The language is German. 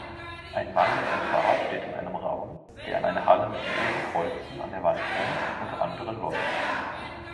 Ein Mann mit einem Bart steht in einem Raum, der an eine Halle mit vielen Kreuzen an der Wand grenzt, unter anderen Leuten